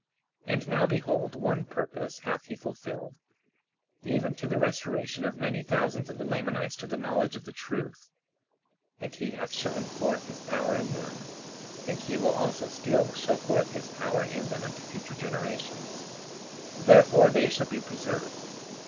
37:19 And now behold, one purpose hath he fulfilled, even to the restoration of many thousands of the Lamanites to the knowledge of the truth; and he hath shown forth his power in them, and he will also still show forth his power in them unto future generations; therefore they shall be preserved.